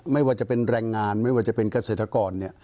ไม่ว่าจะเป็นแรงงานไม่ว่าจะเป็นเกษตรกร